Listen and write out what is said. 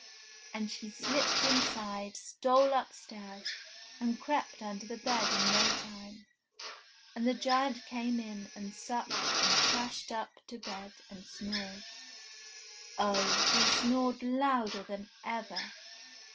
And she slipped inside, stole upstairs, and crept under the bed in no time. And the giant came in, and supped, and crashed up to bed, and snored. Oh ! he snored louder than ever